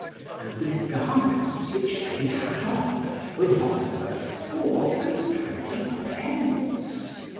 And the garments which they had on, were not worth four and twenty pence.